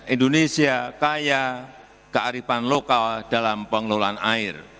indonesia kaya kearifan lokal dalam pengelolaan air